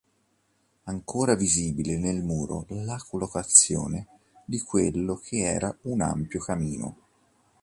Ancora visibile nel muro la collocazione di quello che era un ampio camino.